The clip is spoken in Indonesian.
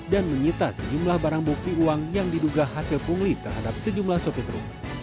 dan menyita sejumlah barang bukti uang yang diduga hasil pungli terhadap sejumlah sopit rumput